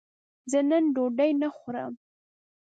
زه نن ډوډی نه خورم